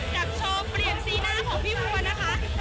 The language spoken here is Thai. กับโชว์เปลี่ยนสีหน้าของพี่บัวนะคะ